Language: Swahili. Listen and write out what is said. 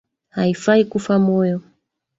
Haifai kufa moyo